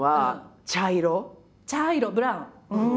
茶色ブラウン。